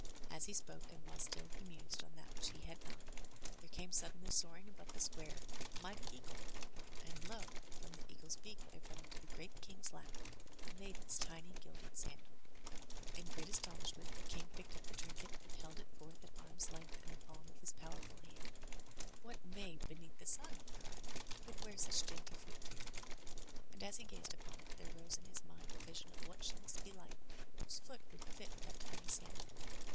As he spoke and while still he mused on that which he had not, there came suddenly soaring above the square a mighty eagle, and lo! from the eagle's beak there fell into the great King's lap a maiden's tiny gilded sandal. In great astonishment, the King picked up the trinket and held it forth at arm's length 263 MY BOOK HOUSE in the palm of his powerful hand. "What maid beneath the sun/' he cried, "could wear such dainty footgear?'* And as he gazed upon it, there rose in his mind a vision of what she must be like whose foot would fit that tiny sandal.